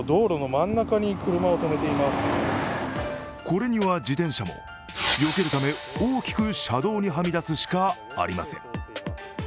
これには、自転車も、よけるため大きく車道にはみ出すしかありません。